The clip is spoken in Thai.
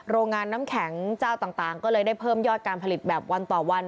โรงงานน้ำแข็งเจ้าต่างก็เลยได้เพิ่มยอดการผลิตแบบวันต่อวัน